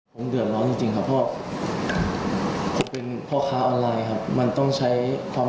ผมเดือดร้อนจริงครับพ่อเป็นพ่อค้าออนไลน์มันต้องใช้ความ